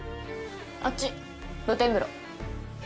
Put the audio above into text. あっち露天風呂。